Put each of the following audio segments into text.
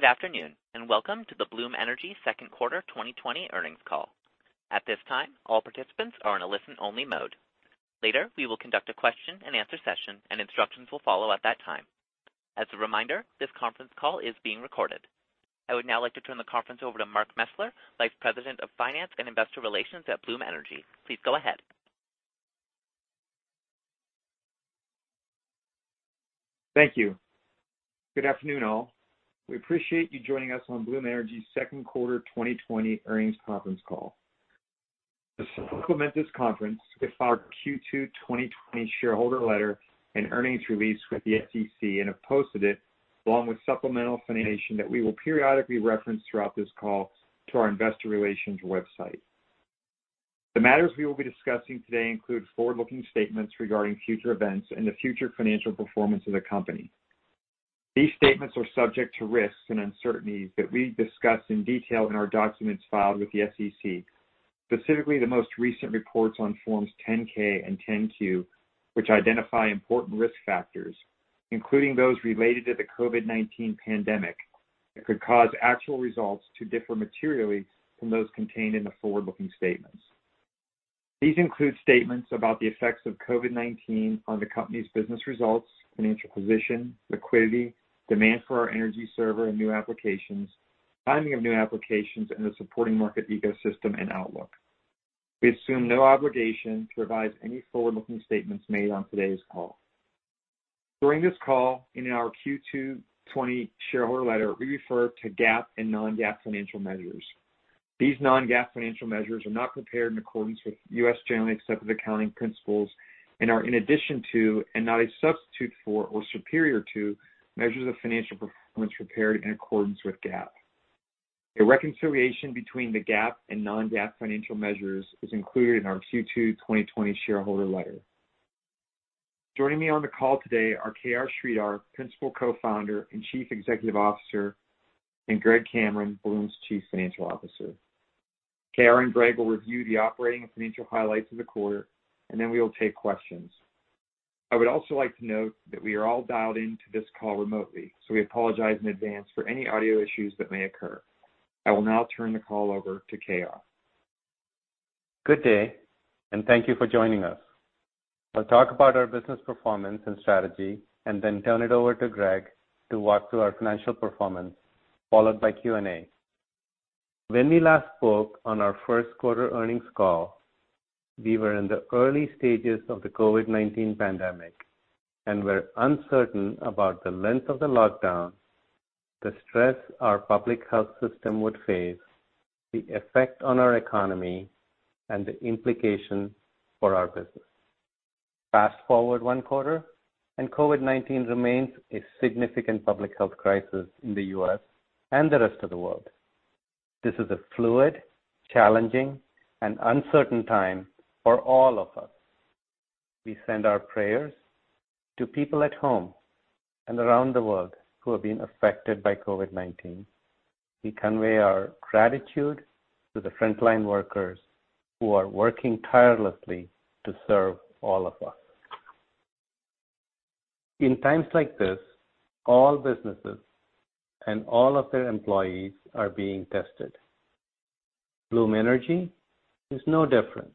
Good afternoon. Welcome to the Bloom Energy Second Quarter 2020 Earnings Call. At this time, all participants are in a listen only mode. Later, we will conduct a question and answer session and instructions will follow at that time. As a reminder, this conference call is being recorded. I would now like to turn the conference over to Mark Mesler, Vice President of Finance and Investor Relations at Bloom Energy. Please go ahead. Thank you. Good afternoon all. We appreciate you joining us on Bloom Energy's Second Quarter 2020 Earnings Conference Call. To supplement this conference, we filed our Q2 2020 shareholder letter and earnings release with the SEC and have posted it, along with supplemental information that we will periodically reference throughout this call to our investor relations website. The matters we will be discussing today include forward-looking statements regarding future events and the future financial performance of the company. These statements are subject to risks and uncertainties that we discuss in detail in our documents filed with the SEC, specifically the most recent reports on Forms 10-K and 10-Q, which identify important risk factors, including those related to the COVID-19 pandemic, that could cause actual results to differ materially from those contained in the forward-looking statements. These include statements about the effects of COVID-19 on the company's business results, financial position, liquidity, demand for our Energy Server and new applications, timing of new applications, and the supporting market ecosystem and outlook. We assume no obligation to revise any forward-looking statements made on today's call. During this call, and in our Q2 2020 shareholder letter, we refer to GAAP and non-GAAP financial measures. These non-GAAP financial measures are not prepared in accordance with U.S. generally accepted accounting principles and are in addition to, and not a substitute for or superior to, measures of financial performance prepared in accordance with GAAP. A reconciliation between the GAAP and non-GAAP financial measures is included in our Q2 2020 shareholder letter. Joining me on the call today are KR Sridhar, Principal Co-founder and Chief Executive Officer, and Greg Cameron, Bloom's Chief Financial Officer. KR and Greg will review the operating and financial highlights of the quarter, and then we will take questions. I would also like to note that we are all dialed into this call remotely, so we apologize in advance for any audio issues that may occur. I will now turn the call over to KR. Good day. Thank you for joining us. I'll talk about our business performance and strategy and then turn it over to Greg to walk through our financial performance, followed by Q&A. When we last spoke on our first quarter earnings call, we were in the early stages of the COVID-19 pandemic and were uncertain about the length of the lockdown, the stress our public health system would face, the effect on our economy, and the implications for our business. Fast-forward one quarter. COVID-19 remains a significant public health crisis in the U.S. and the rest of the world. This is a fluid, challenging, and uncertain time for all of us. We send our prayers to people at home and around the world who have been affected by COVID-19. We convey our gratitude to the frontline workers who are working tirelessly to serve all of us. In times like this, all businesses and all of their employees are being tested. Bloom Energy is no different.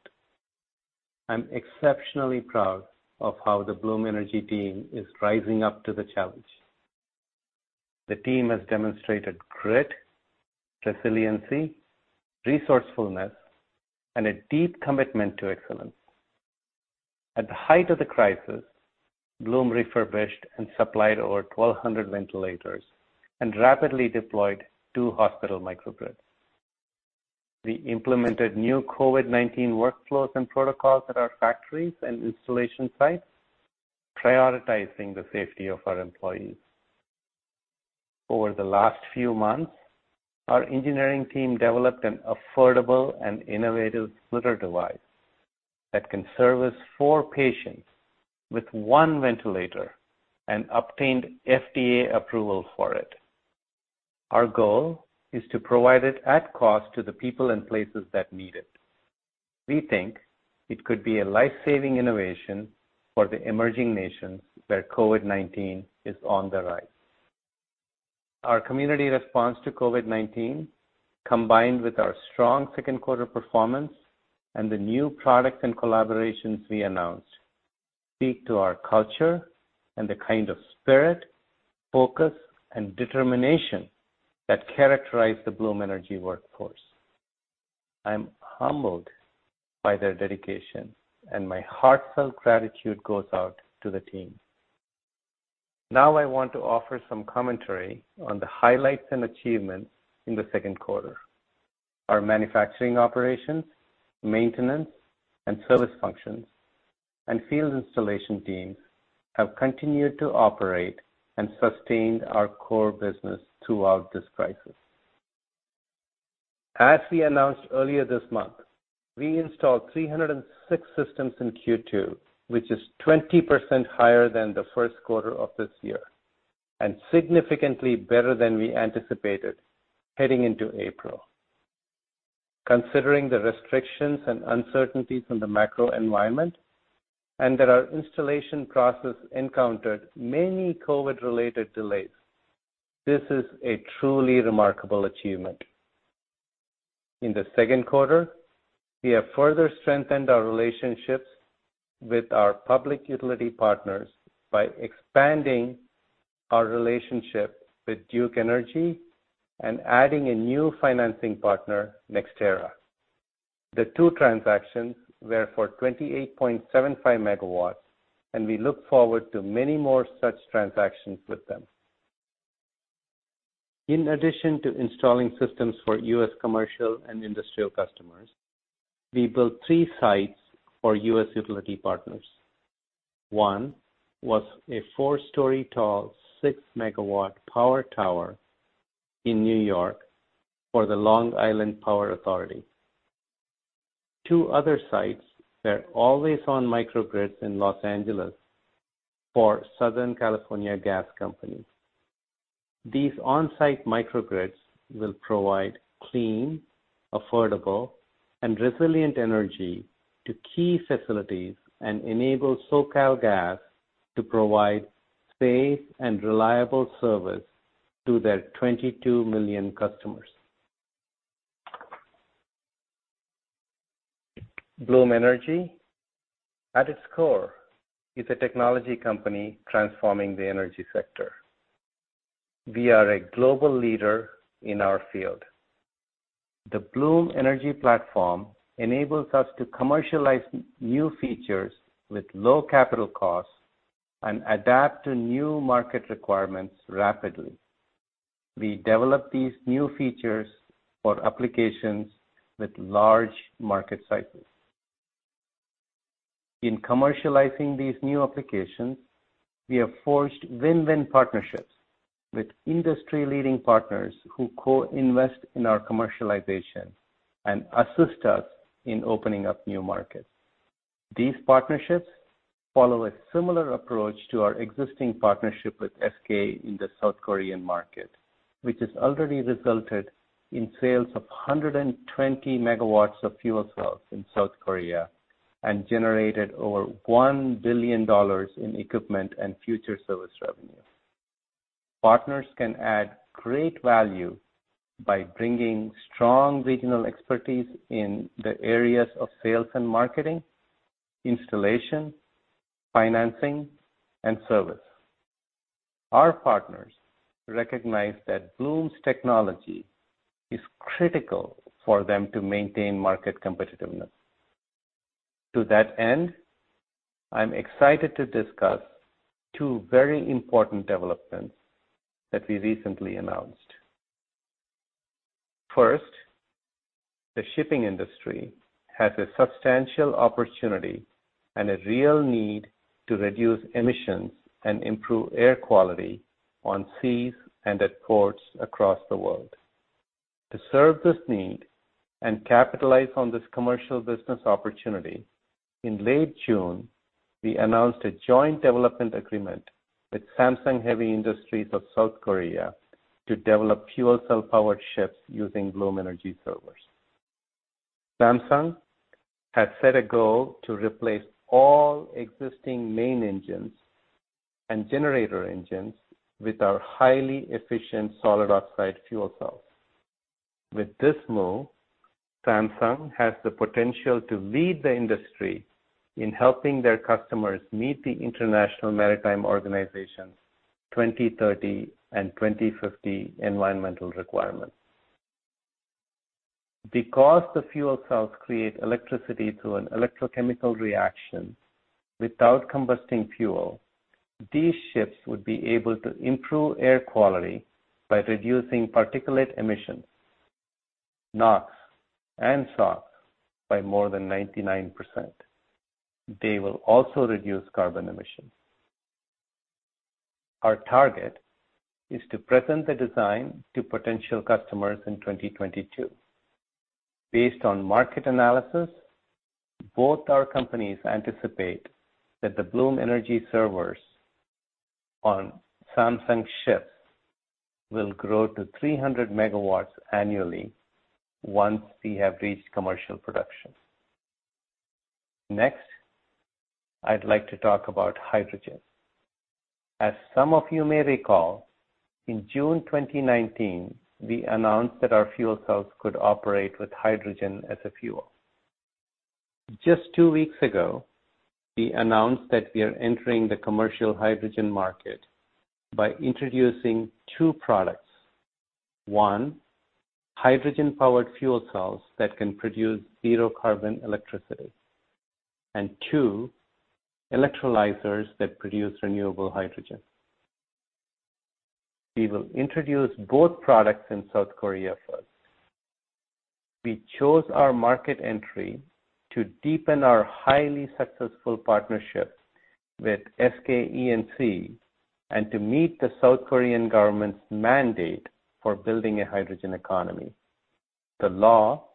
I'm exceptionally proud of how the Bloom Energy team is rising up to the challenge. The team has demonstrated grit, resiliency, resourcefulness, and a deep commitment to excellence. At the height of the crisis, Bloom refurbished and supplied over 1,200 ventilators and rapidly deployed two hospital microgrids. We implemented new COVID-19 workflows and protocols at our factories and installation sites, prioritizing the safety of our employees. Over the last few months, our engineering team developed an affordable and innovative splitter device that can service four patients with one ventilator and obtained FDA approval for it. Our goal is to provide it at cost to the people and places that need it. We think it could be a life-saving innovation for the emerging nations where COVID-19 is on the rise. Our community response to COVID-19, combined with our strong second quarter performance and the new products and collaborations we announced, speak to our culture and the kind of spirit, focus, and determination that characterize the Bloom Energy workforce. I'm humbled by their dedication, and my heartfelt gratitude goes out to the team. Now I want to offer some commentary on the highlights and achievements in the second quarter. Our manufacturing operations, maintenance and service functions, and field installation teams have continued to operate and sustained our core business throughout this crisis. As we announced earlier this month, we installed 306 systems in Q2, which is 20% higher than the first quarter of this year, and significantly better than we anticipated heading into April. Considering the restrictions and uncertainties in the macro environment, and that our installation process encountered many COVID-related delays, this is a truly remarkable achievement. In the second quarter, we have further strengthened our relationships with our public utility partners by expanding our relationship with Duke Energy and adding a new financing partner, NextEra. The two transactions were for 28.75 MW, and we look forward to many more such transactions with them. In addition to installing systems for U.S. commercial and industrial customers, we built three sites for U.S. utility partners. One was a four-story tall, 6 MW power tower in New York for the Long Island Power Authority. Two other sites are always-on microgrids in Los Angeles for Southern California Gas Company. These on-site microgrids will provide clean, affordable, and resilient energy to key facilities and enable SoCalGas to provide safe and reliable service to their 22 million customers. Bloom Energy, at its core, is a technology company transforming the energy sector. We are a global leader in our field. The Bloom Energy platform enables us to commercialize new features with low capital costs and adapt to new market requirements rapidly. We develop these new features for applications with large market sizes. In commercializing these new applications, we have forged win-win partnerships with industry leading partners who co-invest in our commercialization and assist us in opening up new markets. These partnerships follow a similar approach to our existing partnership with SK in the South Korean market, which has already resulted in sales of 120 MW of fuel cells in South Korea and generated over $1 billion in equipment and future service revenue. Partners can add great value by bringing strong regional expertise in the areas of sales and marketing, installation, financing, and service. Our partners recognize that Bloom's technology is critical for them to maintain market competitiveness. To that end, I'm excited to discuss two very important developments that we recently announced. First, the shipping industry has a substantial opportunity and a real need to reduce emissions and improve air quality on seas and at ports across the world. To serve this need and capitalize on this commercial business opportunity, in late June, we announced a joint development agreement with Samsung Heavy Industries of South Korea to develop fuel cell-powered ships using Bloom Energy Servers. Samsung has set a goal to replace all existing main engines and generator engines with our highly efficient solid oxide fuel cells. With this move, Samsung has the potential to lead the industry in helping their customers meet the International Maritime Organization's 2030 and 2050 environmental requirements. Because the fuel cells create electricity through an electrochemical reaction without combusting fuel, these ships would be able to improve air quality by reducing particulate emissions, NOx and SOx by more than 99%. They will also reduce carbon emissions. Our target is to present the design to potential customers in 2022. Based on market analysis, both our companies anticipate that the Bloom Energy Servers on Samsung ships will grow to 300 MW annually once we have reached commercial production. Next, I'd like to talk about hydrogen. As some of you may recall, in June 2019, we announced that our fuel cells could operate with hydrogen as a fuel. Just two weeks ago, we announced that we are entering the commercial hydrogen market by introducing two products. One, hydrogen-powered fuel cells that can produce zero carbon electricity, and two, electrolyzers that produce renewable hydrogen. We will introduce both products in South Korea first. We chose our market entry to deepen our highly successful partnership with SK E&C and to meet the South Korean government's mandate for building a hydrogen economy. The law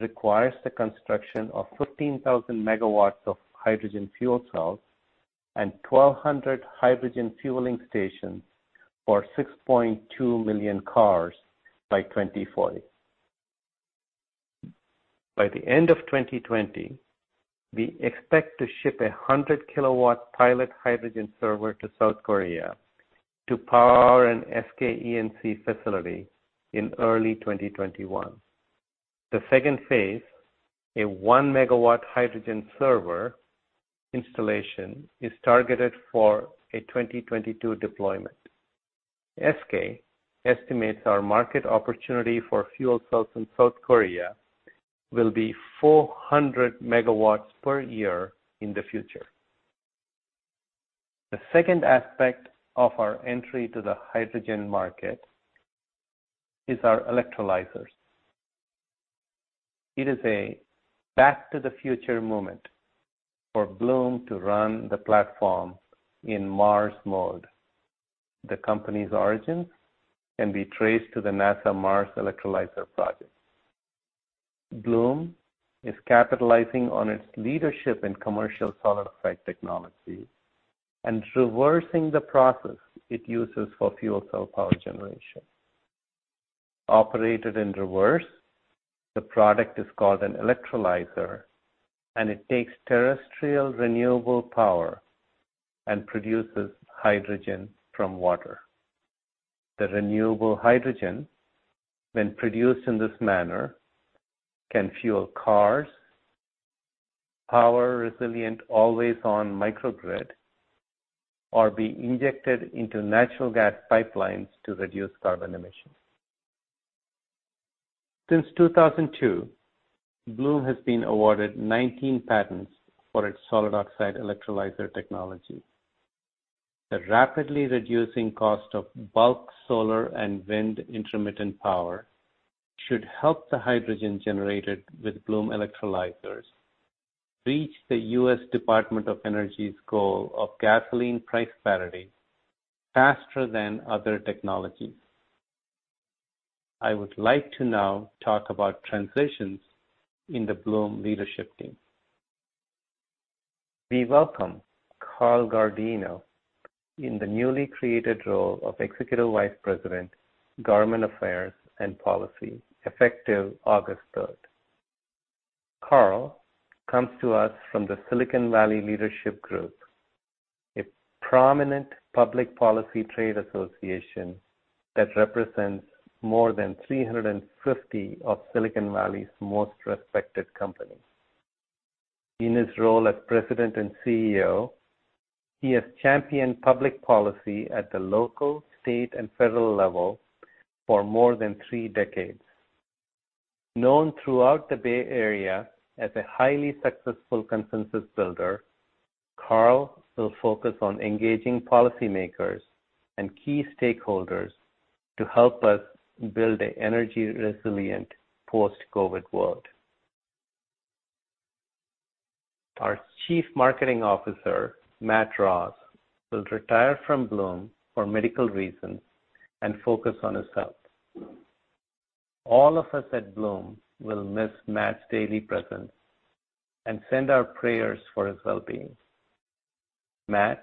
requires the construction of 15,000 MW of hydrogen fuel cells and 1,200 hydrogen fueling stations for 6.2 million cars by 2040. By the end of 2020, we expect to ship 100 kW pilot hydrogen server to South Korea to power an SK E&C facility in early 2021. The second phase, a 1 MW hydrogen server installation, is targeted for a 2022 deployment. SK estimates our market opportunity for fuel cells in South Korea will be 400 MW per year in the future. The second aspect of our entry to the hydrogen market is our electrolyzers. It is a back to the future moment for Bloom to run the platform in Mars mode. The company's origins can be traced to the NASA Mars Electrolyzer project. Bloom is capitalizing on its leadership in commercial solid oxide technology and reversing the process it uses for fuel cell power generation. Operated in reverse, the product is called an electrolyzer, and it takes terrestrial renewable power and produces hydrogen from water. The renewable hydrogen, when produced in this manner, can fuel cars, power resilient always on microgrid, or be injected into natural gas pipelines to reduce carbon emissions. Since 2002, Bloom has been awarded 19 patents for its solid oxide electrolyzer technology. The rapidly reducing cost of bulk solar and wind intermittent power should help the hydrogen generated with Bloom electrolyzers reach the U.S. Department of Energy's goal of gasoline price parity faster than other technologies. I would like to now talk about transitions in the Bloom leadership team. We welcome Carl Guardino in the newly created role of Executive Vice President, Government Affairs and Policy effective August 3rd. Carl comes to us from the Silicon Valley Leadership Group, a prominent public policy trade association that represents more than 350 of Silicon Valley's most respected companies. In his role as President and CEO, he has championed public policy at the local, state, and federal level for more than three decades. Known throughout the Bay Area as a highly successful consensus builder, Carl will focus on engaging policymakers and key stakeholders to help us build an energy resilient post-COVID world. Our Chief Marketing Officer, Matt Ross, will retire from Bloom for medical reasons and focus on his health. All of us at Bloom will miss Matt's daily presence and send our prayers for his wellbeing. Matt,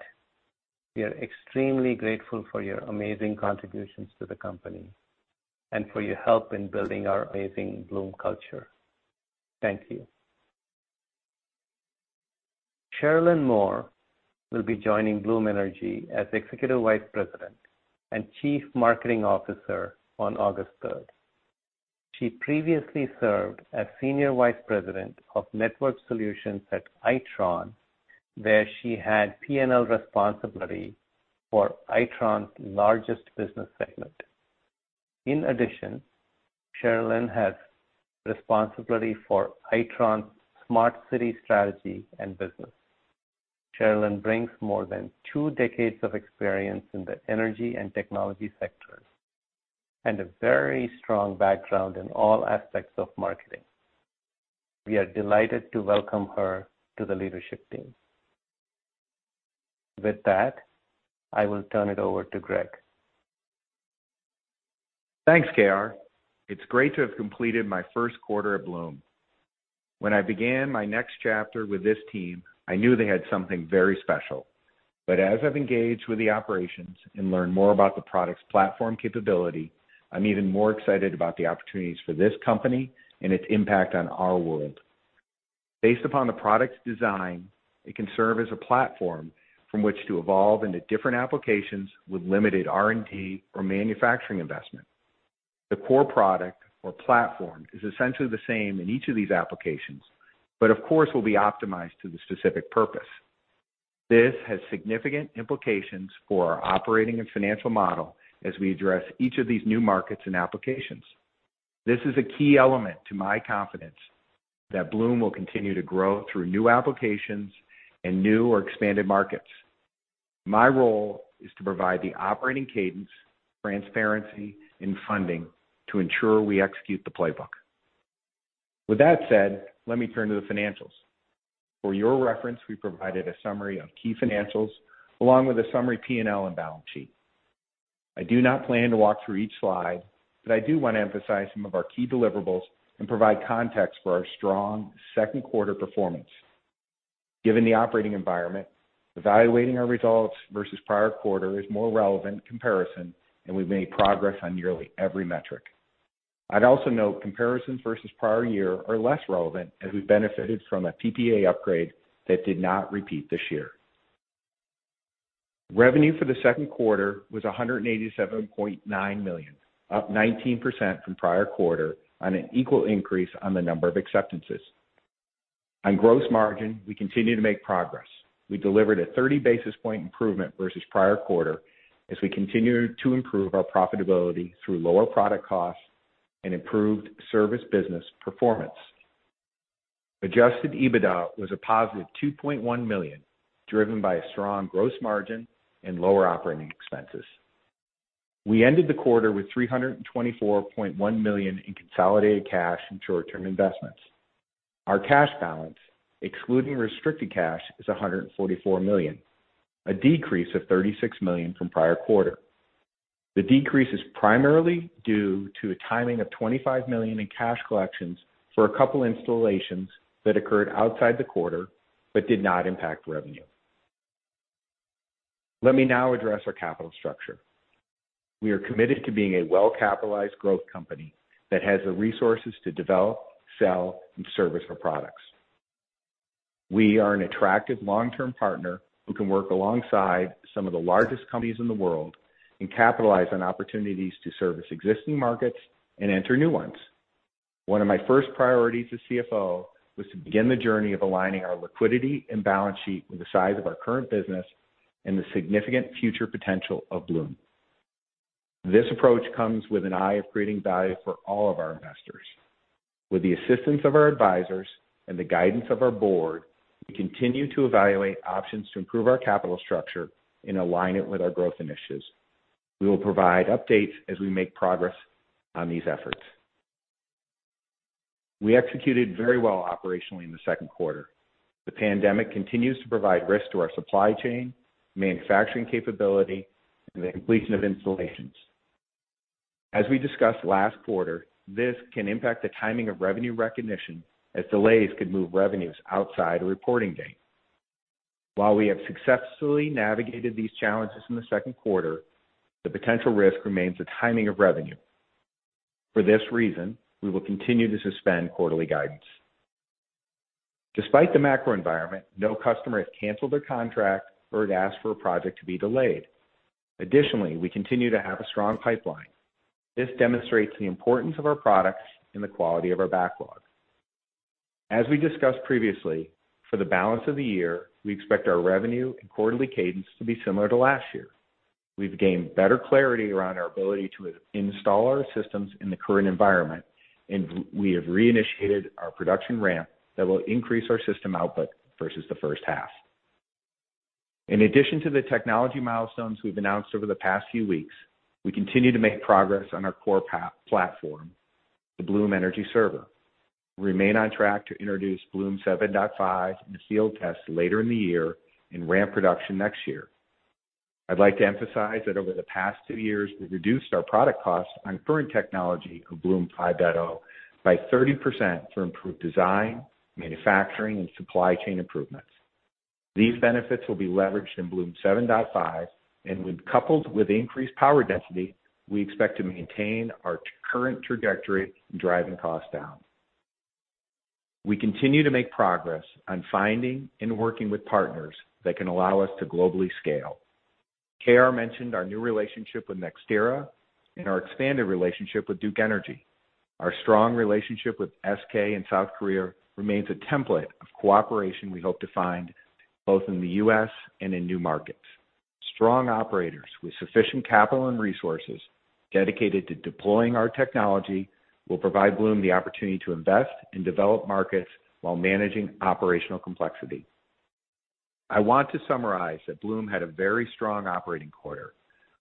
we are extremely grateful for your amazing contributions to the company and for your help in building our amazing Bloom culture. Thank you. Sharelynn Moore will be joining Bloom Energy as Executive Vice President and Chief Marketing Officer on August 3rd. She previously served as Senior Vice President of Network solutions at Itron, where she had P&L responsibility for Itron's largest business segment. In addition, Sharelynn has responsibility for Itron's smart city strategy and business. Sharelynn brings more than two decades of experience in the energy and technology sectors and a very strong background in all aspects of marketing. We are delighted to welcome her to the leadership team. With that, I will turn it over to Greg. Thanks, KR. It's great to have completed my first quarter at Bloom. When I began my next chapter with this team, I knew they had something very special. As I've engaged with the operations and learned more about the product's platform capability, I'm even more excited about the opportunities for this company and its impact on our world. Based upon the product's design, it can serve as a platform from which to evolve into different applications with limited R&D or manufacturing investment. The core product or platform is essentially the same in each of these applications, but of course, will be optimized to the specific purpose. This has significant implications for our operating and financial model as we address each of these new markets and applications. This is a key element to my confidence that Bloom will continue to grow through new applications and new or expanded markets. My role is to provide the operating cadence, transparency, and funding to ensure we execute the playbook. With that said, let me turn to the financials. For your reference, we provided a summary of key financials along with a summary P&L and balance sheet. I do not plan to walk through each slide, but I do want to emphasize some of our key deliverables and provide context for our strong second quarter performance. Given the operating environment, evaluating our results versus prior-quarter is more relevant comparison, we've made progress on nearly every metric. I'd also note comparisons versus prior-year are less relevant, as we benefited from a PPA upgrade that did not repeat this year. Revenue for the second quarter was $187.9 million, up 19% from prior-quarter on an equal increase on the number of acceptances. On gross margin, we continue to make progress. We delivered a 30 basis point improvement versus prior-quarter as we continue to improve our profitability through lower product costs and improved service business performance. Adjusted EBITDA was a +$2.1 million, driven by a strong gross margin and lower operating expenses. We ended the quarter with $324.1 million in consolidated cash and short-term investments. Our cash balance, excluding restricted cash, is $144 million, a decrease of $36 million from prior-quarter. The decrease is primarily due to a timing of $25 million in cash collections for a couple installations that occurred outside the quarter but did not impact revenue. Let me now address our capital structure. We are committed to being a well-capitalized growth company that has the resources to develop, sell, and service our products. We are an attractive long-term partner who can work alongside some of the largest companies in the world and capitalize on opportunities to service existing markets and enter new ones. One of my first priorities as CFO was to begin the journey of aligning our liquidity and balance sheet with the size of our current business and the significant future potential of Bloom. This approach comes with an eye of creating value for all of our investors. With the assistance of our advisors and the guidance of our Board, we continue to evaluate options to improve our capital structure and align it with our growth initiatives. We will provide updates as we make progress on these efforts. We executed very well operationally in the second quarter. The pandemic continues to provide risk to our supply chain, manufacturing capability, and the completion of installations. As we discussed last quarter, this can impact the timing of revenue recognition, as delays could move revenues outside a reporting date. While we have successfully navigated these challenges in the second quarter, the potential risk remains the timing of revenue. For this reason, we will continue to suspend quarterly guidance. Despite the macro environment, no customer has canceled their contract or has asked for a project to be delayed. We continue to have a strong pipeline. This demonstrates the importance of our products and the quality of our backlog. As we discussed previously, for the balance of the year, we expect our revenue and quarterly cadence to be similar to last year. We've gained better clarity around our ability to install our systems in the current environment, and we have reinitiated our production ramp that will increase our system output versus the first half. In addition to the technology milestones we've announced over the past few weeks, we continue to make progress on our core platform, the Bloom Energy Server. We remain on track to introduce Bloom 7.5 in field tests later in the year and ramp production next year. I'd like to emphasize that over the past two years, we've reduced our product cost on current technology of Bloom 5.0 by 30% through improved design, manufacturing, and supply chain improvements. These benefits will be leveraged in Bloom 7.5, and when coupled with increased power density, we expect to maintain our current trajectory in driving costs down. We continue to make a progress on finding and working with partners that can allow us to globally scale. KR mentioned our new relationship with NextEra and our expanded relationship with Duke Energy. Our strong relationship with SK in South Korea remains a template of cooperation we hope to find both in the U.S. and in new markets. Strong operators with sufficient capital and resources dedicated to deploying our technology will provide Bloom the opportunity to invest and develop markets while managing operational complexity. I want to summarize that Bloom had a very strong operating quarter.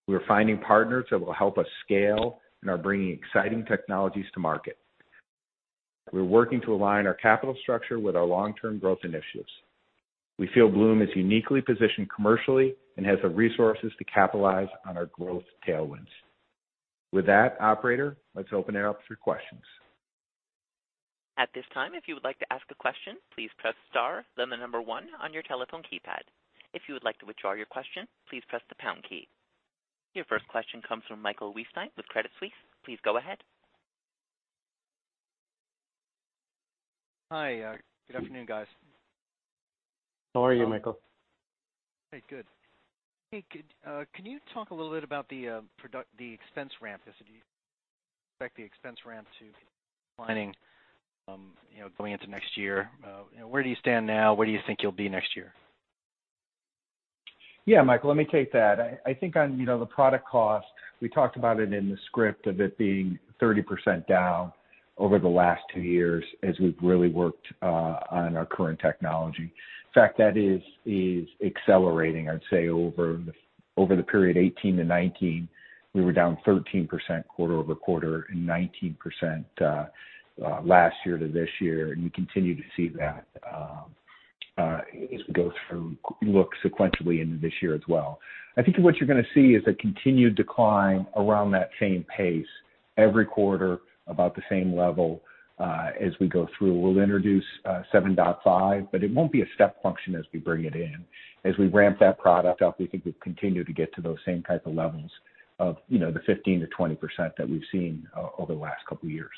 We are finding partners that will help us scale and are bringing exciting technologies to market. We're working to align our capital structure with our long-term growth initiatives. We feel Bloom is uniquely positioned commercially and has the resources to capitalize on our growth tailwinds. With that, operator, let's open it up for questions. At this time, if you would like to ask a question, please press star then the number one on your telephone keypad. If you would like to withdraw your question, please press the pound key. Your first question comes from Michael Weinstein with Credit Suisse. Please go ahead. Hi. Good afternoon, guys. How are you, Michael? Hey, good. Can you talk a little bit about the expense ramp, as you expect the expense ramp to be declining going into next year? Where do you stand now? Where do you think you'll be next year? Yeah, Michael, let me take that. I think on the product cost, we talked about it in the script of it being 30% down over the last two years as we've really worked on our current technology. In fact, that is accelerating. I'd say over the period 2018 to 2019, we were down 13% quarter-over-quarter and 19% last year to this year. We continue to see that trend. As we go through, look sequentially into this year as well. I think what you're going to see is a continued decline around that same pace every quarter, about the same level, as we go through. We'll introduce 7.5, it won't be a step function as we bring it in. As we ramp that product up, we think we've continued to get to those same type of levels of the 15%-20% that we've seen over the last couple of years.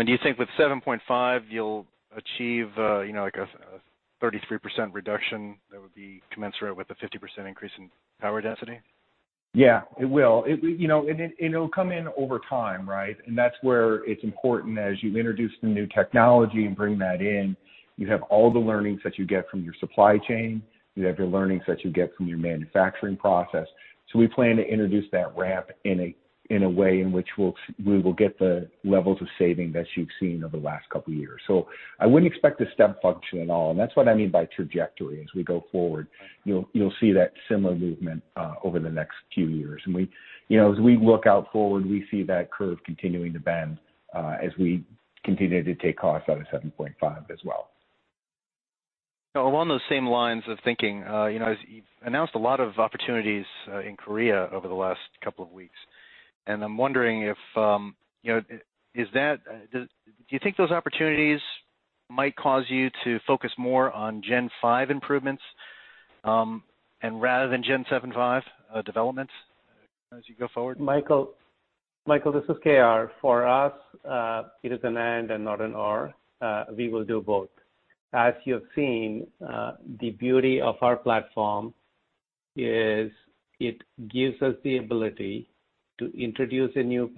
Do you think with 7.5 you'll achieve, like a 33% reduction that would be commensurate with the 50% increase in power density? Yeah, it will. It'll come in over time, right? That's where it's important as you introduce the new technology and bring that in, you have all the learnings that you get from your supply chain. You have your learnings that you get from your manufacturing process. We plan to introduce that ramp in a way in which we will get the levels of saving that you've seen over the last couple of years. I wouldn't expect a step function at all, and that's what I mean by trajectory as we go forward. You'll see that similar movement over the next few years. As we look out forward, we see that curve continuing to bend, as we continue to take costs out of 7.5 as well. Along those same lines of thinking, you've announced a lot of opportunities in Korea over the last couple of weeks, and I'm wondering, do you think those opportunities might cause you to focus more on Gen 5 improvements, and rather than Gen 7.5 developments as you go forward? Michael, this is KR. For us, it is an and not an or. We will do both. As you have seen, the beauty of our platform is it gives us the ability to introduce a new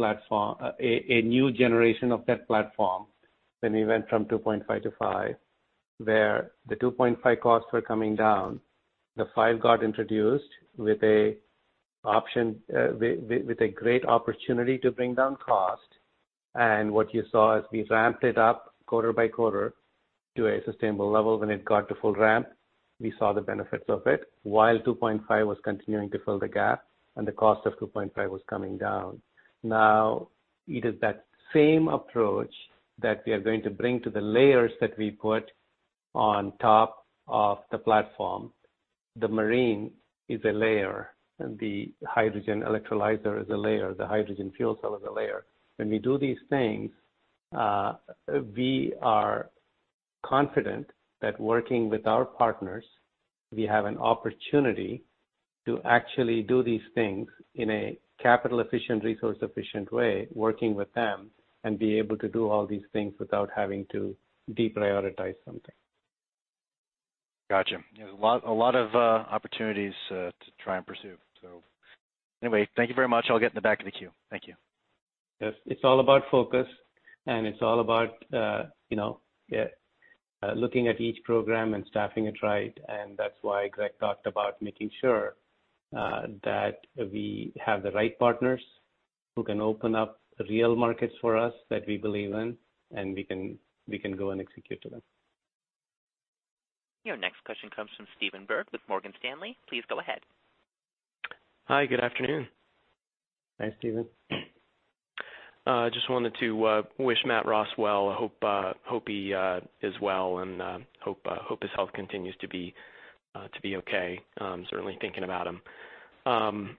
generation of that platform. When we went from 2.5 to 5, where the 2.5 costs were coming down, the 5 got introduced with a great opportunity to bring down cost. What you saw is we ramped it up quarter-by-quarter to a sustainable level. When it got to full ramp, we saw the benefits of it while 2.5 was continuing to fill the gap and the cost of 2.5 was coming down. It is that same approach that we are going to bring to the layers that we put on top of the platform. The marine is a layer, and the hydrogen electrolyzer is a layer, the hydrogen fuel cell is a layer. When we do these things, we are confident that working with our partners, we have an opportunity to actually do these things in a capital efficient, resource efficient way, working with them, and be able to do all these things without having to deprioritize something. Got you. A lot of opportunities to try and pursue. Anyway, thank you very much. I'll get in the back of the queue. Thank you. Yes. It's all about focus, and it's all about looking at each program and staffing it right, and that's why Greg talked about making sure that we have the right partners who can open up real markets for us that we believe in, and we can go and execute to them. Your next question comes from Stephen Byrd with Morgan Stanley. Please go ahead. Hi, good afternoon. Hi, Stephen. Just wanted to wish Matt Ross well. Hope he is well and hope his health continues to be okay. Certainly thinking about him.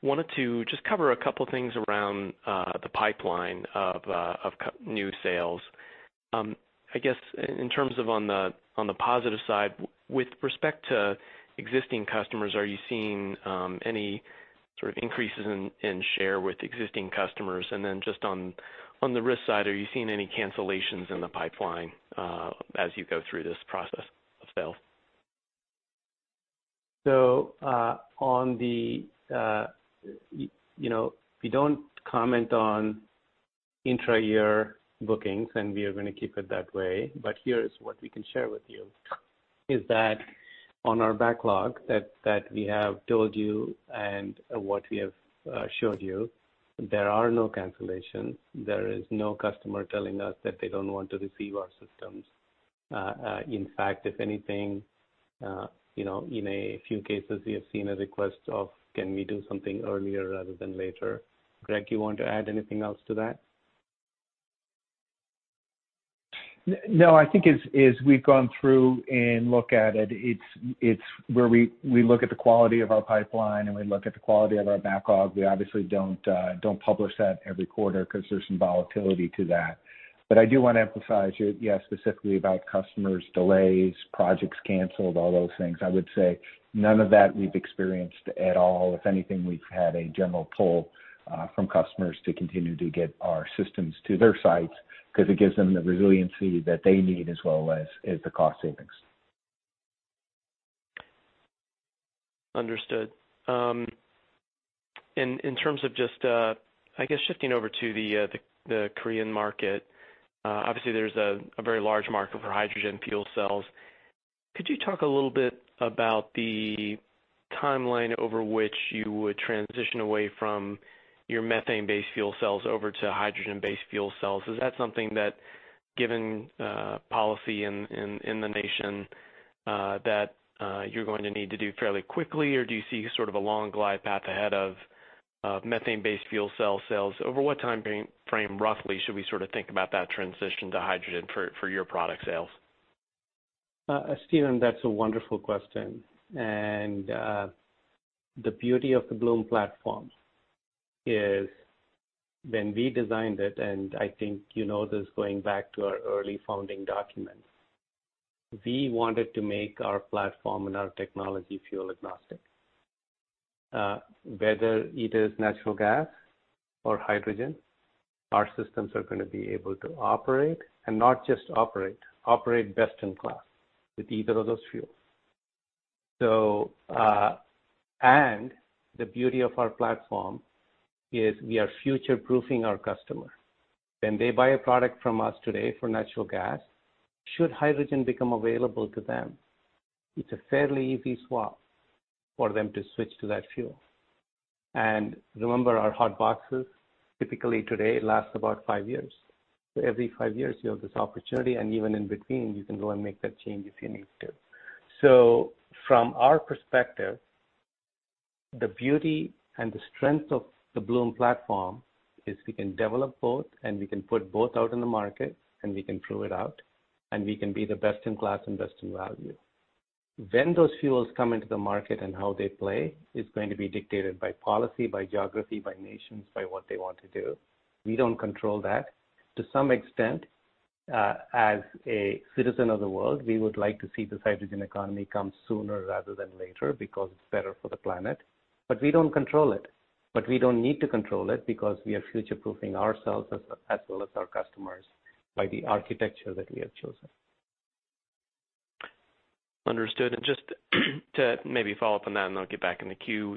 Wanted to just cover a couple things around the pipeline of new sales. I guess in terms of on the positive side, with respect to existing customers, are you seeing any sort of increases in share with existing customers? Just on the risk side, are you seeing any cancellations in the pipeline as you go through this process of sales? We don't comment on intra-year bookings, and we are going to keep it that way. Here is what we can share with you, is that on our backlog that we have told you and what we have showed you, there are no cancellations. There is no customer telling us that they don't want to receive our systems. In fact, if anything, in a few cases, we have seen a request of, can we do something earlier rather than later? Greg, you want to add anything else to that? I think as we've gone through and look at it, we look at the quality of our pipeline, and we look at the quality of our backlog. We obviously don't publish that every quarter because there's some volatility to that. I do want to emphasize, you asked specifically about customer delays, projects canceled, all those things. I would say none of that we've experienced at all. If anything, we've had a general pull from customers to continue to get our systems to their sites because it gives them the resiliency that they need as well as the cost savings. Understood. In terms of just, I guess, shifting over to the Korean market, obviously there's a very large market for hydrogen fuel cells. Could you talk a little bit about the timeline over which you would transition away from your methane-based fuel cells over to hydrogen-based fuel cells? Is that something that, given policy in the nation that you're going to need to do fairly quickly, or do you see sort of a long glide path ahead of methane-based fuel cell sales? Over what time frame, roughly, should we think about that transition to hydrogen for your product sales? Stephen, that's a wonderful question. The beauty of the Bloom platform is when we designed it, I think you know this going back to our early founding documents, we wanted to make our platform and our technology fuel agnostic. Whether it is natural gas or hydrogen, our systems are going to be able to operate, and not just operate best in class with either of those fuels. The beauty of our platform is we are future-proofing our customer. When they buy a product from us today for natural gas, should hydrogen become available to them, it's a fairly easy swap for them to switch to that fuel. Remember, our hot boxes typically today last about five years. Every five years you have this opportunity, and even in between, you can go and make that change if you need to. From our perspective, the beauty and the strength of the Bloom platform is we can develop both, and we can put both out in the market, and we can prove it out, and we can be the best in class and best in value. When those fuels come into the market and how they play is going to be dictated by policy, by geography, by nations, by what they want to do. We don't control that. To some extent, as a citizen of the world, we would like to see this hydrogen economy come sooner rather than later, because it's better for the planet, but we don't control it. We don't need to control it, because we are future-proofing ourselves as well as our customers by the architecture that we have chosen. Understood. Just to maybe follow-up on that, and then I'll get back in the queue.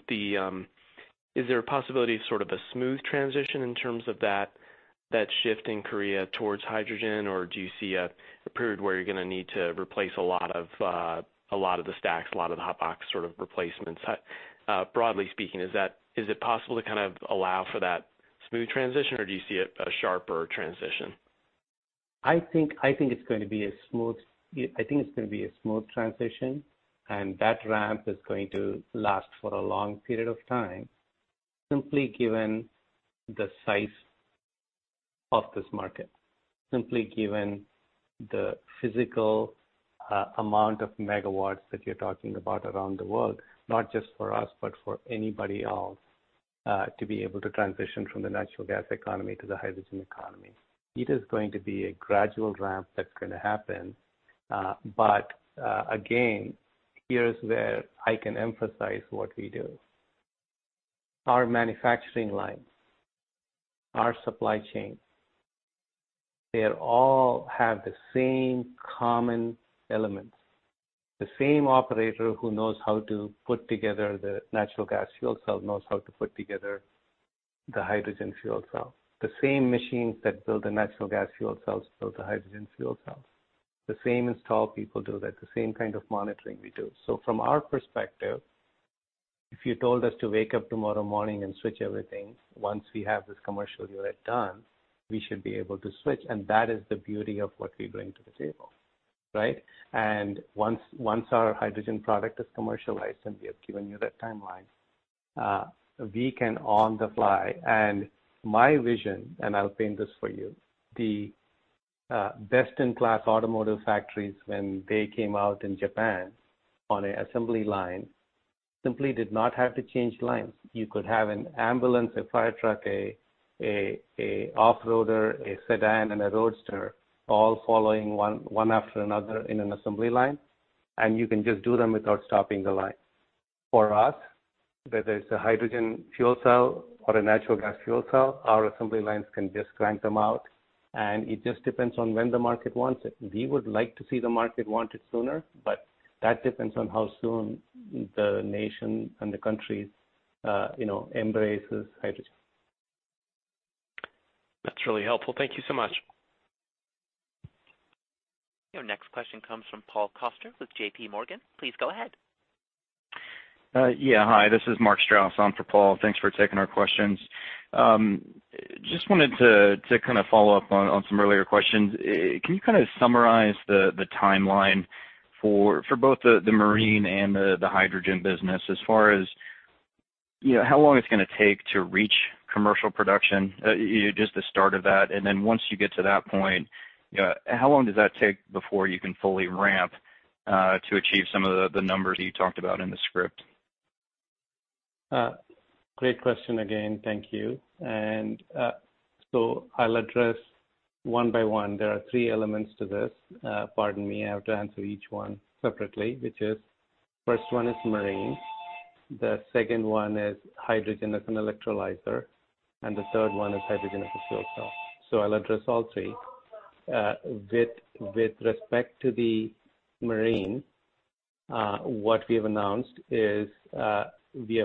Is there a possibility of sort of a smooth transition in terms of that shift in Korea towards hydrogen, or do you see a period where you're going to need to replace a lot of the stacks, a lot of the hot box sort of replacements? Broadly speaking, is it possible to kind of allow for that smooth transition, or do you see a sharper transition? I think it's going to be a smooth transition, and that ramp is going to last for a long period of time, simply given the size of this market, simply given the physical amount of megawatts that you're talking about around the world, not just for us, but for anybody else, to be able to transition from the natural gas economy to the hydrogen economy. It is going to be a gradual ramp that's going to happen. Again, here's where I can emphasize what we do. Our manufacturing lines, our supply chains, they all have the same common elements. The same operator who knows how to put together the natural gas fuel cell knows how to put together the hydrogen fuel cell. The same machines that build the natural gas fuel cells build the hydrogen fuel cells. The same install people do that, the same kind of monitoring we do. From our perspective, if you told us to wake up tomorrow morning and switch everything, once we have this commercial unit done, we should be able to switch, and that is the beauty of what we bring to the table. Right? Once our hydrogen product is commercialized, and we have given you that timeline, we can on the fly. My vision, and I'll paint this for you. The best-in-class automotive factories, when they came out in Japan on an assembly line, simply did not have to change lines. You could have an ambulance, a firetruck, an off-roader, a sedan, and a roadster all following one after another in an assembly line, and you can just do them without stopping the line. For us, whether it's a hydrogen fuel cell or a natural gas fuel cell, our assembly lines can just crank them out. It just depends on when the market wants it. We would like to see the market want it sooner. That depends on how soon the nation and the countries embrace hydrogen. That's really helpful. Thank you so much. Your next question comes from Paul Coster with JPMorgan. Please go ahead. Yeah. Hi, this is Mark Strouse on for Paul. Thanks for taking our questions. Just wanted to kind of follow-up on some earlier questions. Can you kind of summarize the timeline for both the marine and the hydrogen business as far as how long it's going to take to reach commercial production, just the start of that? Then once you get to that point, how long does that take before you can fully ramp to achieve some of the numbers that you talked about in the script? Great question again. Thank you. I'll address one by one. There are three elements to this. Pardon me, I have to answer each one separately, which is, first one is marine, the second one is hydrogen as an electrolyzer, and the third one is hydrogen as a fuel cell. I'll address all three. With respect to the marine, what we have announced is we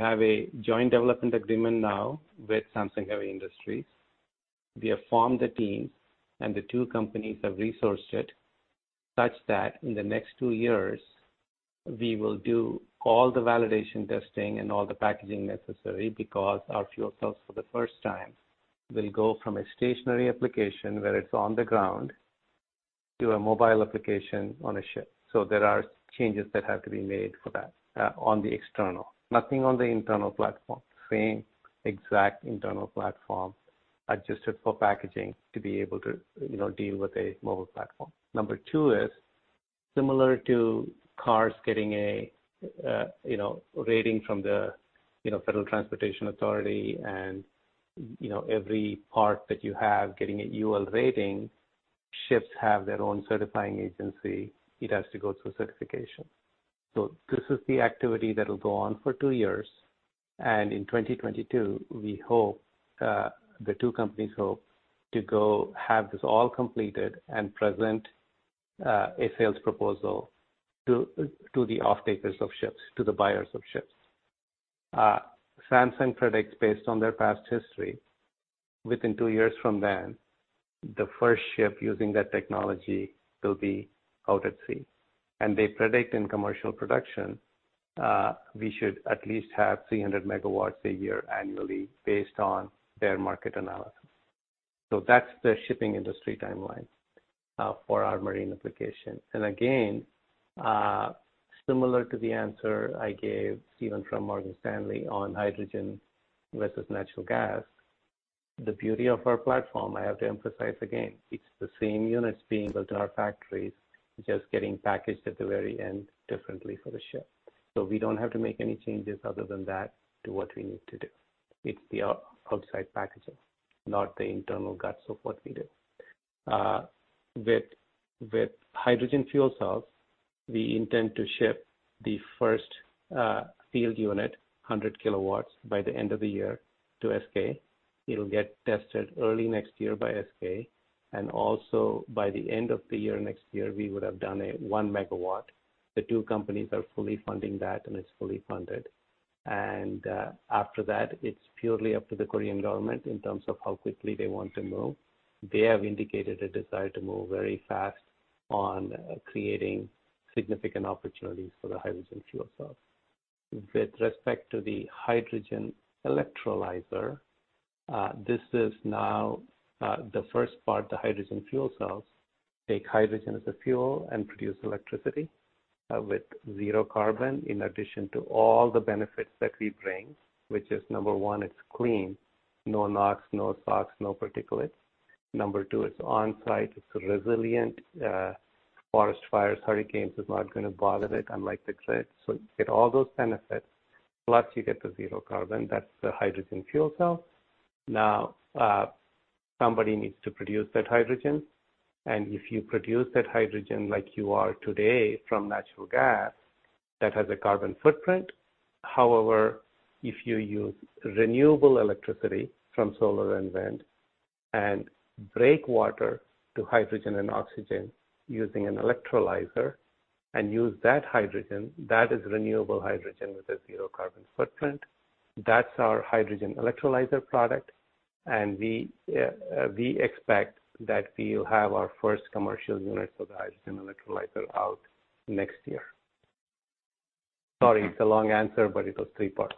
have a joint development agreement now with Samsung Heavy Industries. We have formed a team, and the two companies have resourced it such that in the next two years. We will do all the validation testing and all the packaging necessary because our fuel cells, for the first time, will go from a stationary application, where it's on the ground, to a mobile application on a ship. There are changes that have to be made for that on the external. Nothing on the internal platform. Same exact internal platform, adjusted for packaging to be able to deal with a mobile platform. Number two is similar to cars getting a rating from the Federal Transportation Authority and every part that you have getting a UL rating. Ships have their own certifying agency. It has to go through certification. This is the activity that will go on for two years, and in 2022, the two companies hope to go have this all completed and present a sales proposal to the off-takers of ships, to the buyers of ships. Samsung predicts, based on their past history, within two years from then, the first ship using that technology will be out at sea. They predict in commercial production, we should at least have 300 MW a year annually based on their market analysis. That's the shipping industry timeline for our marine application. Again, similar to the answer I gave, Stephen, from Morgan Stanley on hydrogen versus natural gas, the beauty of our platform, I have to emphasize again, it's the same units being built in our factories, just getting packaged at the very end differently for the ship. We don't have to make any changes other than that to what we need to do. It's the outside packaging, not the internal guts of what we do. With hydrogen fuel cells, we intend to ship the first field unit, 100 kW, by the end of the year to SK. It'll get tested early next year by SK. Also, by the end of the year next year, we would have done a 1 MW. The two companies are fully funding that, and it's fully funded. After that, it's purely up to the Korean government in terms of how quickly they want to move. They have indicated a desire to move very fast on creating significant opportunities for the hydrogen fuel cell. With respect to the hydrogen electrolyzer, this is now the first part, the hydrogen fuel cells take hydrogen as a fuel and produce electricity with zero carbon, in addition to all the benefits that we bring, which is, number one, it's clean. No NOx, no SOx, no particulates. Number two, it's on-site, it's resilient. Forest fires, hurricanes is not going to bother it, unlike the grid. You get all those benefits, plus you get the zero carbon. That's the hydrogen fuel cell. Somebody needs to produce that hydrogen. If you produce that hydrogen like you are today from natural gas, that has a carbon footprint. If you use renewable electricity from solar and wind and break water to hydrogen and oxygen using an electrolyzer and use that hydrogen, that is renewable hydrogen with a zero carbon footprint. That's our hydrogen electrolyzer product. We expect that we'll have our first commercial unit for the hydrogen electrolyzer out next year. Sorry, it's a long answer, but it was three parts.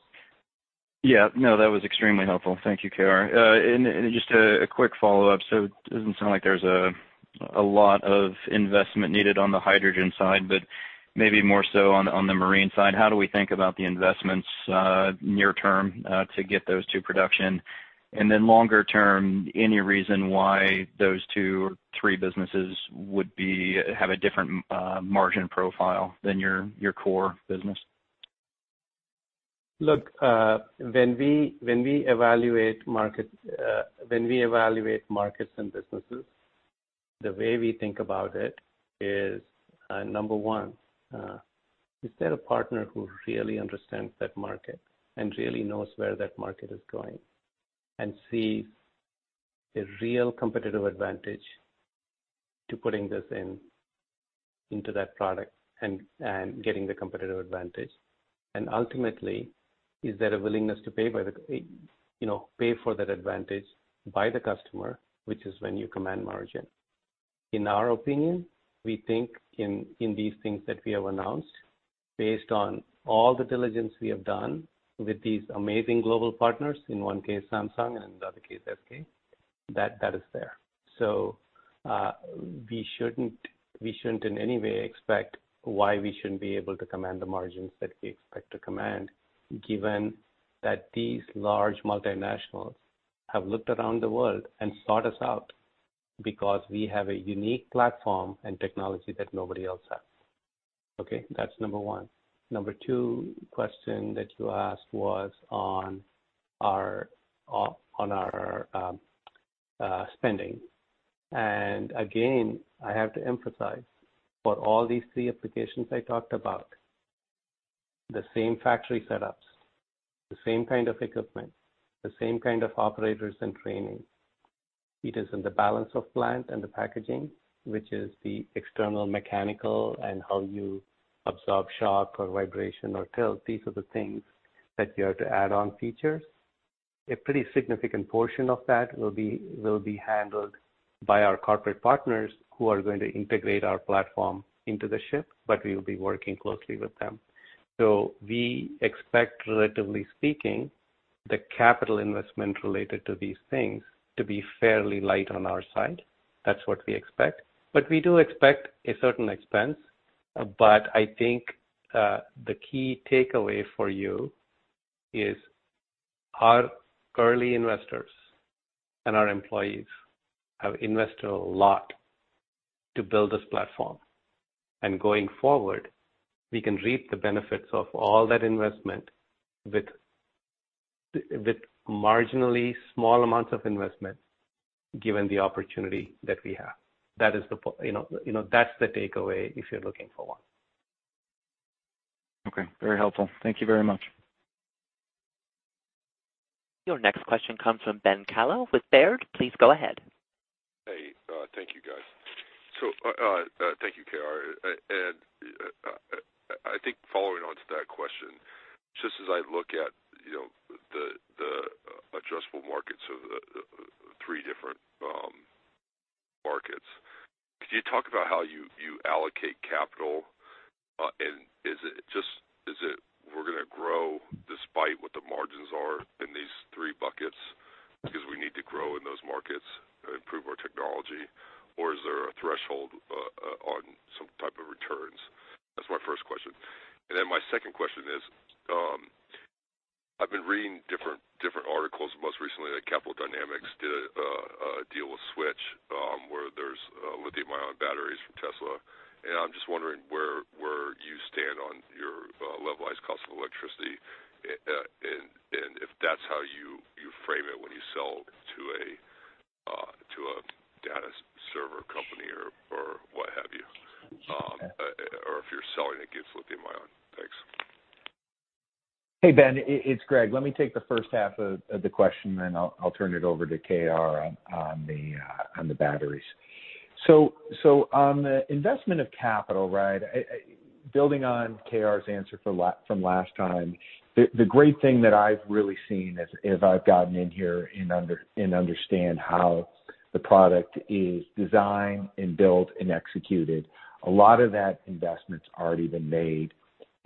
Yeah. No, that was extremely helpful. Thank you, KR. Just a quick follow-up. It doesn't sound like there's a lot of investment needed on the hydrogen side, but maybe more so on the marine side. How do we think about the investments near term to get those to production? Longer-term, any reason why those two or three businesses would have a different margin profile than your core business? Look, when we evaluate markets and businesses, the way we think about it is, number one, is there a partner who really understands that market and really knows where that market is going and sees a real competitive advantage to putting this into that product and getting the competitive advantage? Ultimately, is there a willingness to pay for that advantage by the customer, which is when you command margin. In our opinion, we think in these things that we have announced, based on all the diligence we have done with these amazing global partners, in one case Samsung and the other case SK, that is there. We shouldn't in any way expect why we shouldn't be able to command the margins that we expect to command, given that these large multinationals have looked around the world and sought us out because we have a unique platform and technology that nobody else has. Okay? That's number one. Number two question that you asked was on our spending. Again, I have to emphasize, for all these three applications I talked about, the same factory setups, the same kind of equipment, the same kind of operators and training. It is in the balance of plant and the packaging, which is the external mechanical and how you absorb shock or vibration or tilt. These are the things that you have to add on features. A pretty significant portion of that will be handled by our corporate partners who are going to integrate our platform into the ship, but we will be working closely with them. We expect, relatively speaking, the capital investment related to these things to be fairly light on our side. That's what we expect. We do expect a certain expense. I think the key takeaway for you is our early investors and our employees have invested a lot to build this platform. Going forward, we can reap the benefits of all that investment with marginally small amounts of investment, given the opportunity that we have. That's the takeaway, if you're looking for one. Okay. Very helpful. Thank you very much. Your next question comes from Ben Kallo with Baird. Please go ahead. Hey, thank you, guys. Thank you, KR. I think following on to that question, just as I look at the [addressable] markets of the three different markets, could you talk about how you allocate capital? Is it we're going to grow despite what the margins are in these three buckets because we need to grow in those markets and improve our technology? Is there a threshold on some type of returns? That's my first question. My second question is, I've been reading different articles, most recently that Capital Dynamics did a deal with Switch, where there's lithium-ion batteries from Tesla, and I'm just wondering where you stand on your levelized cost of electricity and if that's how you frame it when you sell to a data server company or what have you, or if you're selling against lithium-ion. Thanks. Hey, Ben, it's Greg. Let me take the first half of the question, then I'll turn it over to KR on the batteries. On the investment of capital, building on KR's answer from last time, the great thing that I've really seen as I've gotten in here and understand how the product is designed and built and executed, a lot of that investment's already been made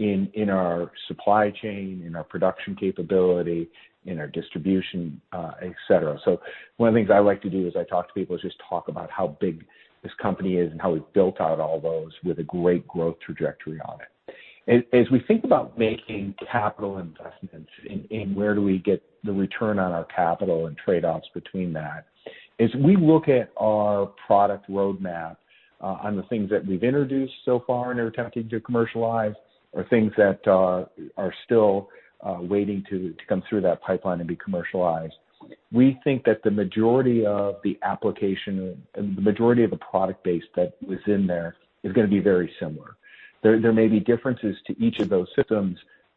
in our supply chain, in our production capability, in our distribution, et cetera. One of the things I like to do is I talk to people, is just talk about how big this company is and how we've built out all those with a great growth trajectory on it. As we think about making capital investments and where do we get the return on our capital and trade-offs between that, as we look at our product roadmap on the things that we've introduced so far and are attempting to commercialize, or things that are still waiting to come through that pipeline and be commercialized, we think that the majority of the application and the majority of the product base that was in there is going to be very similar. There may be differences to each of those systems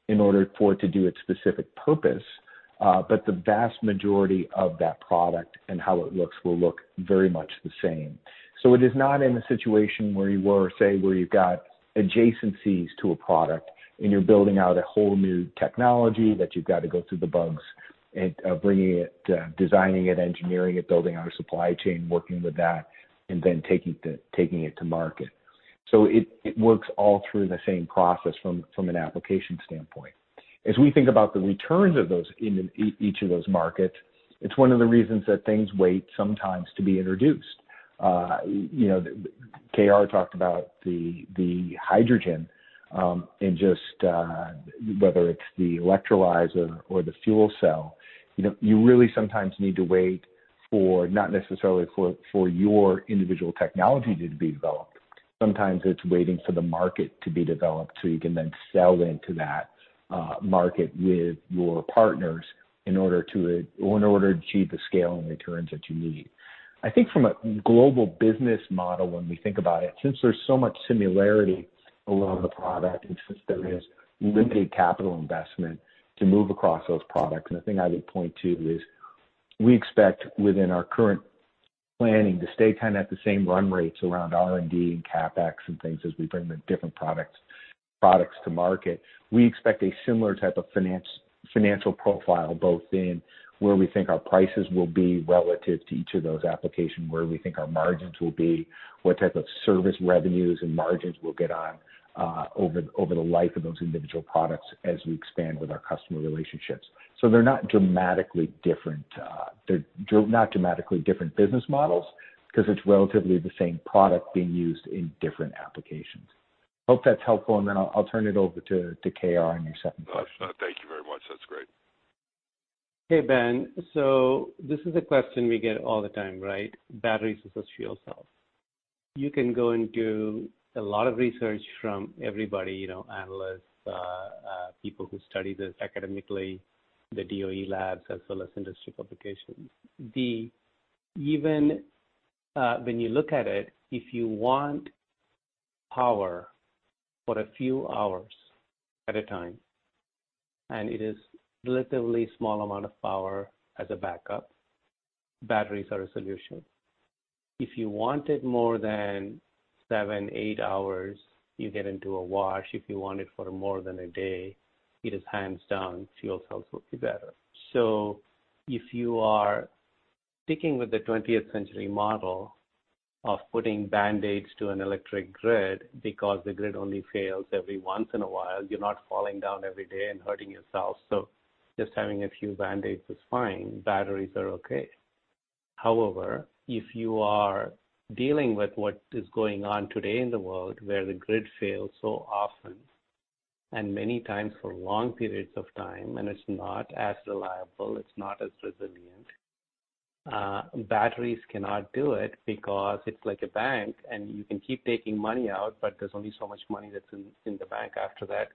in order for it to do its specific purpose, but the vast majority of that product and how it looks will look very much the same. It is not in a situation where you were, say, where you've got adjacencies to a product and you're building out a whole new technology that you've got to go through the bugs and bringing it, designing it, engineering it, building out a supply chain, working with that, and then taking it to market. It works all through the same process from an application standpoint. As we think about the returns of those in each of those markets, it's one of the reasons that things wait sometimes to be introduced. KR talked about the hydrogen, and just whether it's the electrolyzer or the fuel cell, you really sometimes need to wait for not necessarily for your individual technology to be developed. Sometimes it's waiting for the market to be developed so you can then sell into that market with your partners in order to achieve the scale and returns that you need. I think from a global business model, when we think about it, since there's so much similarity along the product and since there is limited capital investment to move across those products, and the thing I would point to is we expect within our current planning to stay kind of at the same run-rates around R&D and CapEx and things as we bring the different products to market. We expect a similar type of financial profile, both in where we think our prices will be relative to each of those applications, where we think our margins will be, what type of service revenues and margins we'll get on over the life of those individual products as we expand with our customer relationships. They're not dramatically different business models because it's relatively the same product being used in different applications. Hope that's helpful. I'll turn it over to KR on your second question. Thank you very much. That's great. Hey, Ben. This is a question we get all the time. Batteries versus fuel cells. You can go and do a lot of research from everybody, analysts, people who study this academically, the DOE labs, as well as industry publications. Even when you look at it, if you want power for a few hours at a time, and it is relatively small amount of power as a backup, batteries are a solution. If you want it more than seven, eight hours, you get into a wash. If you want it for more than a day, it is hands down, fuel cells will be better. If you are sticking with the 20th century model of putting band-aids to an electric grid, because the grid only fails every once in a while, you're not falling down every day and hurting yourself. Just having a few band-aids is fine. Batteries are okay. If you are dealing with what is going on today in the world where the grid fails so often, and many times for long periods of time, and it's not as reliable, it's not as resilient. Batteries cannot do it because it's like a bank, and you can keep taking money out, but there's only so much money that's in the bank after that.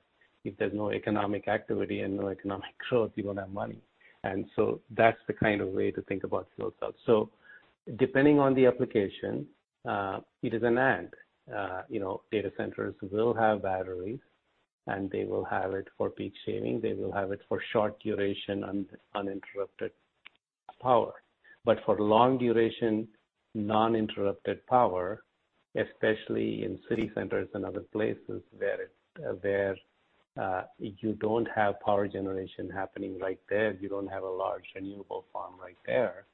If there's no economic activity and no economic growth, you won't have money. That's the kind of way to think about fuel cells. Depending on the application, it is an and. Data centers will have batteries, and they will have it for peak shaving. They will have it for short duration, uninterrupted power. For long duration, non-interrupted power, especially in city centers and other places where you don't have power generation happening right there, you don't have a large renewable farm right there.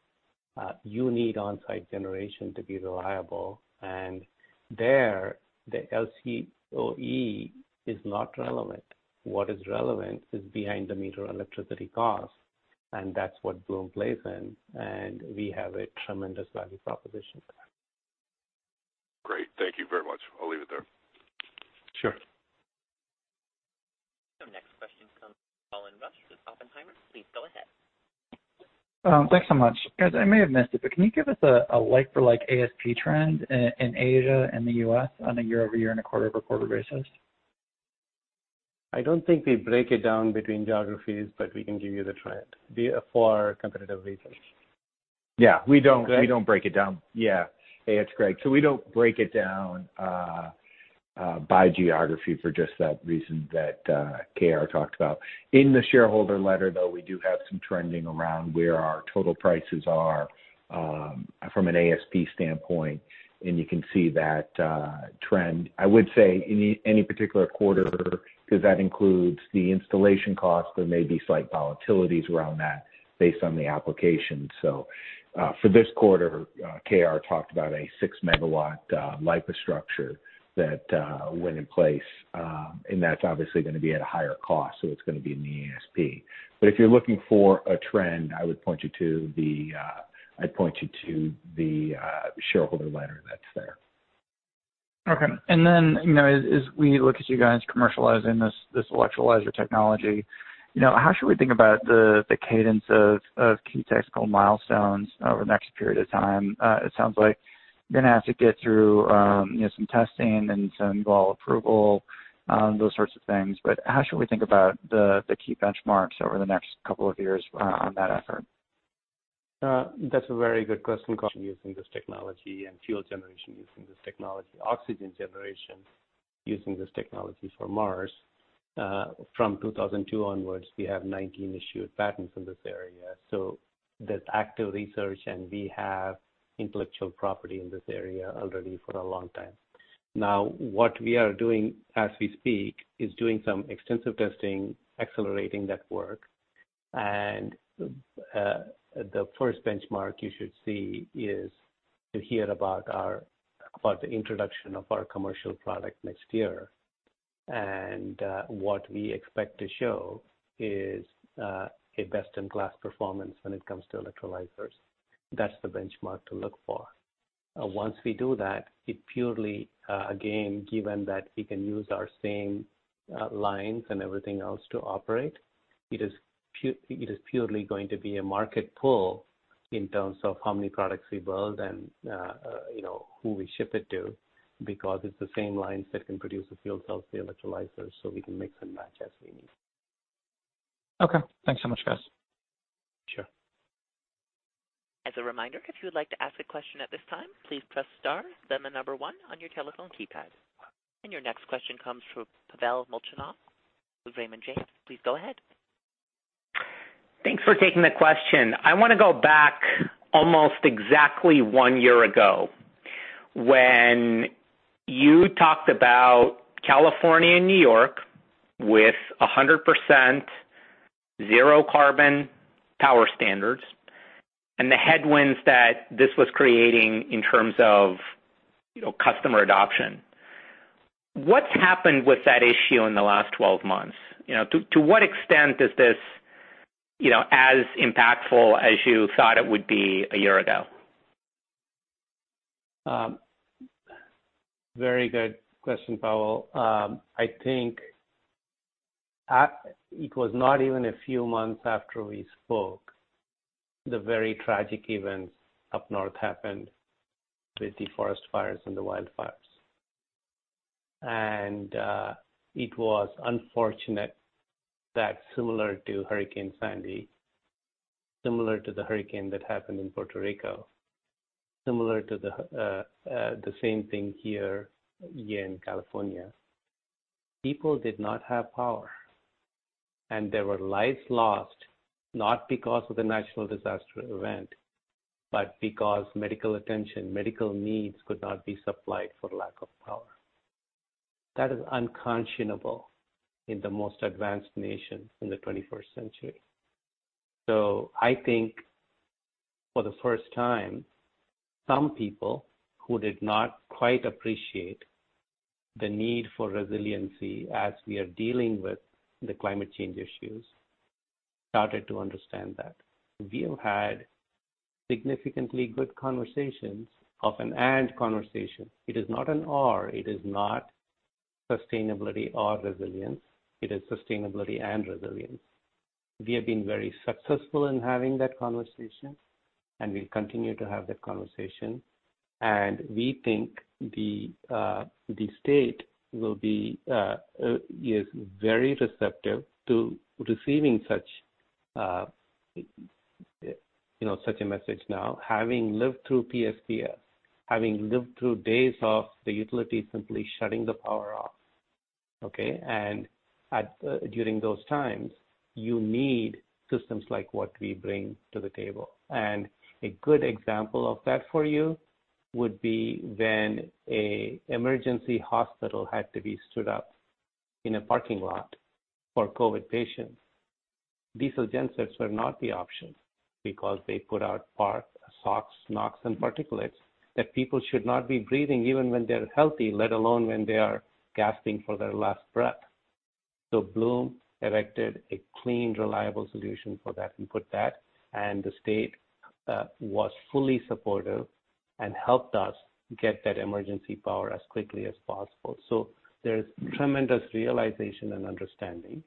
You need on-site generation to be reliable. And there, the LCOE is not relevant. What is relevant is behind the meter electricity cost, and that's what Bloom plays in, and we have a tremendous value proposition for that. Great. Thank you very much. I'll leave it there. Sure. The next question comes from Colin Rusch with Oppenheimer. Please go ahead. Thanks so much. Guys, I may have missed it, but can you give us a like for like ASP trend in Asia and the U.S. on a year-over-year and a quarter-over-quarter basis? I don't think we break it down between geographies, but we can give you the trend for competitive reasons. We don't break it down. Yeah. Hey, it's Greg. We don't break it down by geography for just that reason that KR talked about. In the shareholder letter, though, we do have some trending around where our total prices are from an ASP standpoint, and you can see that trend. I would say any particular quarter, because that includes the installation cost, there may be slight volatilities around that based on the application. For this quarter, KR talked about a 6 MW LIPA structure that went in place. That's obviously going to be at a higher cost, it's going to be in the ASP. If you're looking for a trend, I would point you to the shareholder letter that's there. Okay. As we look at you guys commercializing this electrolyzer technology, how should we think about the cadence of key technical milestones over the next period of time? It sounds like you're going to have to get through some testing and some UL approval, those sorts of things. How should we think about the key benchmarks over the next couple of years on that effort? That's a very good question, Colin. Using this technology and fuel generation, using this technology, oxygen generation, using this technology for Mars. From 2002 onwards, we have 19 issued patents in this area. There's active research, and we have intellectual property in this area already for a long time. Now, what we are doing as we speak is doing some extensive testing, accelerating that work, and the first benchmark you should see is to hear about the introduction of our commercial product next year. What we expect to show is a best-in-class performance when it comes to electrolyzers. That's the benchmark to look for. Once we do that, it purely, again, given that we can use our same lines and everything else to operate, it is purely going to be a market pull in terms of how many products we build and who we ship it to, because it's the same lines that can produce the fuel cells, the electrolyzers, so we can mix and match as we need. Okay. Thanks so much, guys. Sure. As a reminder, if you would like to ask a question at this time, please press star, then the number one on your telephone keypad. Your next question comes from Pavel Molchanov with Raymond James. Please go ahead. Thanks for taking the question. I want to go back almost exactly one year ago when you talked about California and New York with 100% zero carbon power standards and the headwinds that this was creating in terms of customer adoption. What's happened with that issue in the last 12 months? To what extent is this as impactful as you thought it would be a year ago? Very good question, Pavel. I think it was not even a few months after we spoke, the very tragic events up north happened with the forest fires and the wildfires. It was unfortunate that similar to Hurricane Sandy, similar to the hurricane that happened in Puerto Rico, similar to the same thing here again in California, people did not have power. There were lives lost, not because of the national disaster event, but because medical attention, medical needs could not be supplied for lack of power. That is unconscionable in the most advanced nation in the 21st century. I think for the first time, some people who did not quite appreciate the need for resiliency as we are dealing with the climate change issues, started to understand that. We have had significantly good conversation. It is not an or, it is not sustainability or resilience, it is sustainability and resilience. We have been very successful in having that conversation, and we continue to have that conversation. We think the state is very receptive to receiving such a message now, having lived through PSPS, having lived through days of the utility simply shutting the power off. Okay. During those times, you need systems like what we bring to the table. A good example of that for you would be when a emergency hospital had to be stood up in a parking lot for COVID patients. Diesel gensets were not the option, because they put out [VO], SOx, NOx, and particulates that people should not be breathing even when they're healthy, let alone when they are gasping for their last breath. Bloom erected a clean, reliable solution for that and put that, and the state was fully supportive and helped us get that emergency power as quickly as possible. There's tremendous realization and understanding.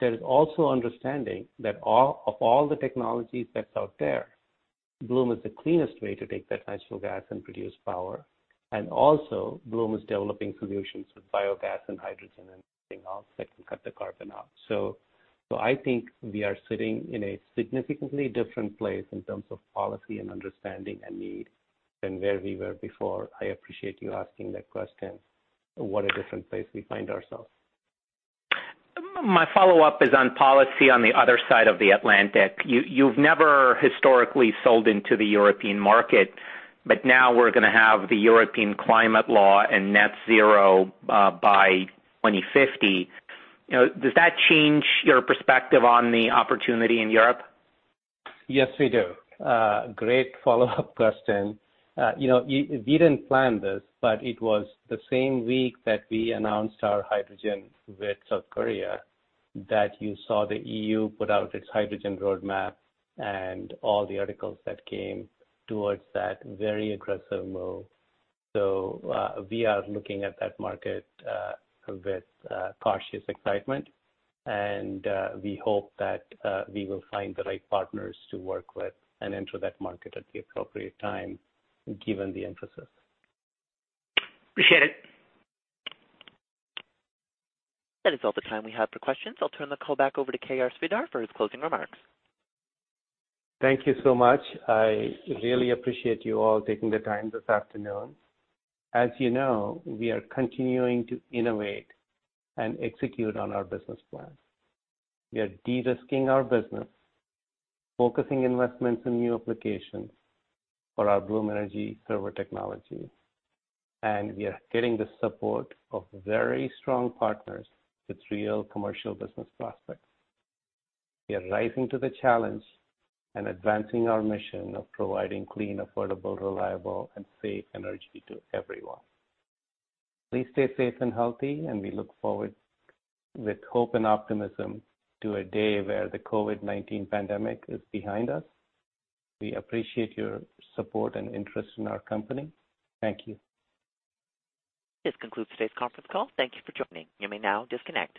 There is also understanding that of all the technologies that's out there, Bloom is the cleanest way to take that natural gas and produce power. Also, Bloom is developing solutions with biogas and hydrogen and everything else that can cut the carbon out. I think we are sitting in a significantly different place in terms of policy and understanding and need than where we were before. I appreciate you asking that question. What a different place we find ourselves. My follow-up is on policy on the other side of the Atlantic. You've never historically sold into the European market, but now we're going to have the European Climate Law and net zero by 2050. Does that change your perspective on the opportunity in Europe? Yes, we do. Great follow-up question. We didn't plan this, but it was the same week that we announced our hydrogen with South Korea that you saw the E.U. put out its hydrogen roadmap and all the articles that came towards that very aggressive move. We are looking at that market with cautious excitement. We hope that we will find the right partners to work with and enter that market at the appropriate time, given the emphasis. Appreciate it. That is all the time we have for questions. I'll turn the call back over to KR Sridhar for his closing remarks. Thank you so much. I really appreciate you all taking the time this afternoon. As you know, we are continuing to innovate and execute on our business plan. We are de-risking our business, focusing investments in new applications for our Bloom Energy Server technology. We are getting the support of very strong partners with real commercial business prospects. We are rising to the challenge and advancing our mission of providing clean, affordable, reliable, and safe energy to everyone. Please stay safe and healthy, and we look forward with hope and optimism to a day where the COVID-19 pandemic is behind us. We appreciate your support and interest in our company. Thank you. This concludes today's conference call. Thank you for joining. You may now disconnect.